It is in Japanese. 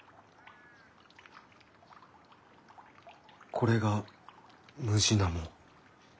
これがムジナモ。